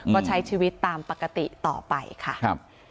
ก็ใช้ชีวิตตามปกติต่อไปค่ะครับ